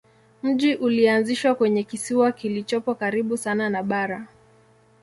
Mji ulianzishwa kwenye kisiwa kilichopo karibu sana na bara.